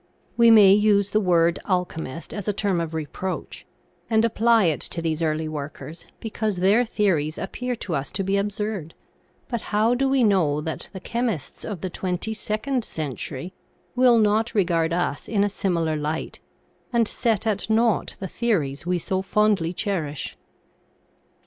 We may use the word alchemist as a term of reproach, and apply it to these early workers because their theories appear to us to be absurd, but how do we know that the chemists of the twenty second century will not regard us in a similar light, and set at naught the theories we so fondly cherish